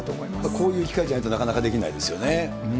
こういう機会じゃないと、なかなかできないですよね。